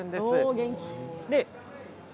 元気。